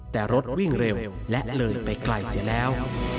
แต่รถวิ่งเร็วและเลยไปไกลเสียแล้ว